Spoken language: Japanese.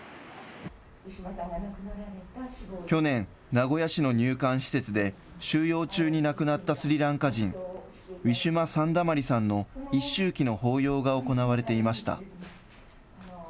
去年、名古屋市の入管施設で収容中に亡くなったスリランカ人、ウィシュマ・サンダマリさんの一周忌の法要が行われていました。